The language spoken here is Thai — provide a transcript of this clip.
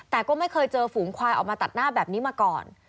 แต่ก็ไม่เคยเจอฝูงควายออกมาตัดหน้าแบบนี้มาก่อน